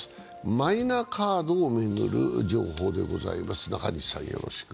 マイナカードを巡る情報でございます。